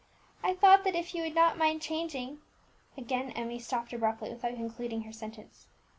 "I thought that if you would not mind changing " Again Emmie stopped abruptly, without concluding her sentence.